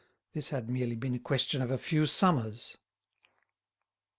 This had merely been a question of a few summers.